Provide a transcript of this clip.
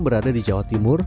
berada di jawa timur